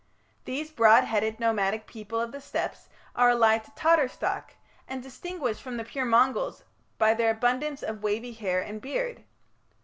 These broad headed nomadic peoples of the Steppes are allied to Tatar stock, and distinguished from the pure Mongols by their abundance of wavy hair and beard.